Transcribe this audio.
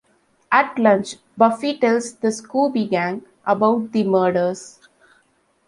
At lunch, Buffy tells the Scooby Gang about the murders.